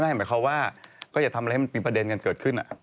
ไม่หมายความว่าก็อย่าทำอะไรเรามีประเด็นเหมือนเกิดขึ้นอ่ะ